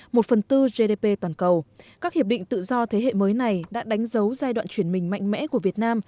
một phần tư gdp toàn cầu các hiệp định tự do thế hệ mới này đã đánh dấu giai đoạn chuyển mình mạnh mẽ của việt nam